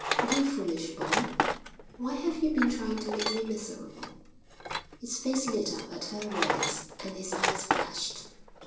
"You foolish boy, why have you been trying to make me miserable?" His face lit up at her words and his eyes flashed.